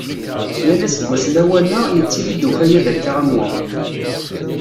Yal aseggas lawan-a, yettili-d ukayad akka am wa.